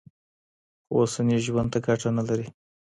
خو اوسني ژوند ته ګټه نه لري.